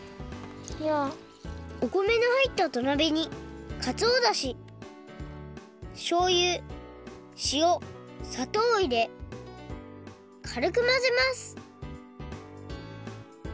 お米のはいったどなべにかつおだししょうゆしおさとうをいれかるくまぜます